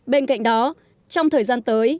bên cạnh đó trong thời gian tới